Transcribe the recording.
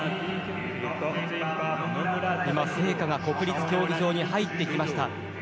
今、聖火が国立競技場に入ってきました。